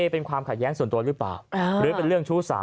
เป็นความขัดแย้งส่วนตัวหรือเปล่าหรือเป็นเรื่องชู้สาว